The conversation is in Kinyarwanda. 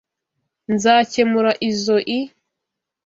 Nzakemura izoi.